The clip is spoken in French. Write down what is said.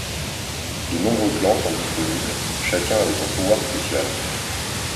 De nombreux clans sont disponibles, chacun avec un pouvoir spécial.